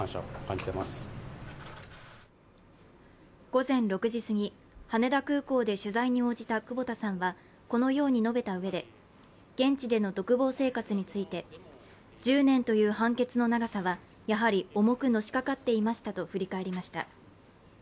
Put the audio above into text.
午前６時すぎ、羽田空港で取材に応じた久保田さんはこのように述べたうえで現地での独房生活について１０年という判決の長さは、やはり重くのしかかっていましたと振り返りました。